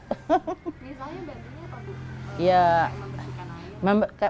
misalnya bantunya apa